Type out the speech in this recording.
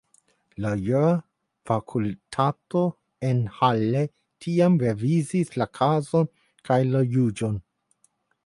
La jura fakultato en Halle tiam reviziis la kazon kaj la juĝon.